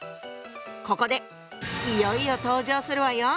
ここでいよいよ登場するわよ。